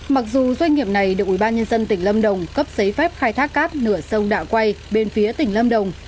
mặc dù doanh nghiệp này được ubnd tỉnh lâm đồng cấp giấy phép khai thác cát nửa sông đạ quay bên phía tỉnh lâm đồng